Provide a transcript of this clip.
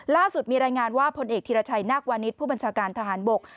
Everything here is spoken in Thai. ล่าสุดมีรายงานว่าพลเอกธิรชัยนาควานิสผู้บัญชาการทหารบก